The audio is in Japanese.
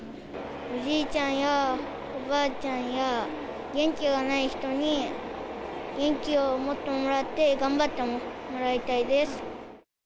おじいちゃんやおばあちゃんや、元気がない人に、元気を持ってもらって、頑張ってもらいたいです。